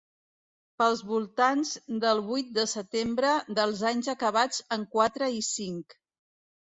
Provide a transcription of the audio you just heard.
Pels voltants del vuit de setembre dels anys acabats en quatre i cinc.